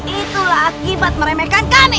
itulah akibat meremehkan kami